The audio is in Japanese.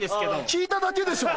聞いただけでしょ？